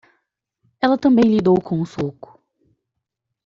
Ela também lidou com o soco.